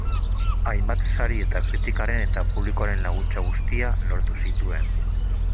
Hainbat sari eta kritikaren eta publikoaren laguntza guztia lortu zituen.